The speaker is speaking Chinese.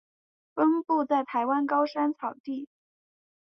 分布在台湾高山草地。